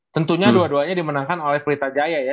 tentunya dua duanya dimenangkan oleh pelita jaya ya